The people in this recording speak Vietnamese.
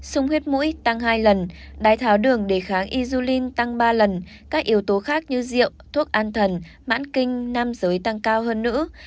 sung huyết mũi tăng hai lần đái tháo đường đề kháng isulin tăng ba lần các yếu tố khác như rượu thuốc an thần mãn kinh nam giới tăng cao hơn nữ